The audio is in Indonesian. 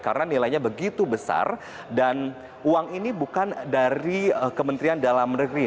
karena nilainya begitu besar dan uang ini bukan dari kementerian dalam negeri